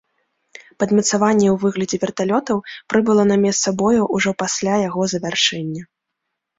Падмацаванне ў выглядзе верталётаў прыбыло на месца бою ўжо пасля яго завяршэння.